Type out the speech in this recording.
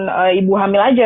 gak cuman ibu hamil aja